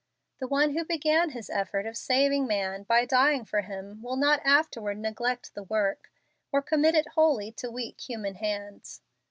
The One who began His effort of saving man by dying for him will not afterward neglect the work, or commit it wholly to weak human hands.